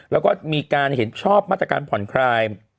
แล้วก็มีการเห็นชอบมาตรการผ่อนคลาย